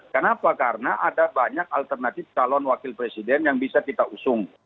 kenapa karena ada banyak alternatif calon wakil presiden yang bisa kita usung